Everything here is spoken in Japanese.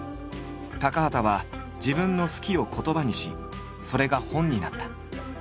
高畑は自分の「好き」を言葉にしそれが本になった。